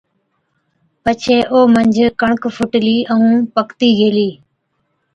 پڇي او منجھ ڪڻڪ ڦُٽلِي ائُون پڪتِي گيلِي۔